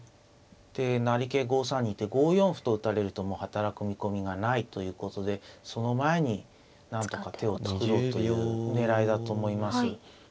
で成桂５三にいて５四歩と打たれるともう働く見込みがないということでその前になんとか手を作ろうという狙いだと思います。